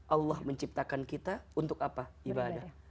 allah menciptakan kita untuk apa ibadah